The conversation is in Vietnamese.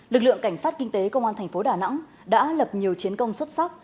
lực lượng cảnh sát kinh tế công an tp đà nẵng đã lập nhiều chiến công xuất sắc